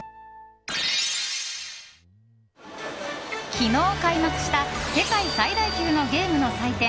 昨日開幕した世界最大級のゲームの祭典